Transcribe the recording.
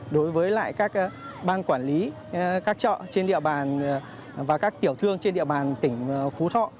đối với lại các ban quản lý các chợ trên địa bàn và các tiểu thương trên địa bàn tỉnh phú thọ